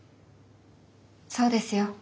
そうですよ。